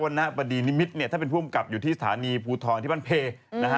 วันน่าปดีนิมิตรถ้าเป็นผู้อำกับอยู่ที่สถานีภูทธรณ์ที่บ้านเพลย์